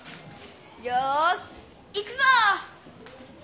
よしいくぞ！